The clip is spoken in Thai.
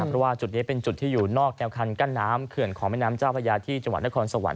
เพราะว่าจุดนี้เป็นจุดที่อยู่นอกแนวคันกั้นน้ำเขื่อนของแม่น้ำเจ้าพระยาที่จังหวัดนครสวรร